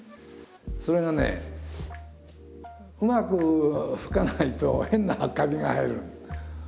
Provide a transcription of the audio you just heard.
それがねうまく吹かないと変なカビが生える。